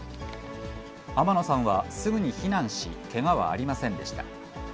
天野さんはすぐに避難し、けがはありませんでした。